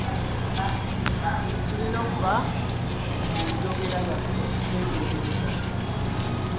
Tulina okuba nga mu njogera yaffe twegendereza.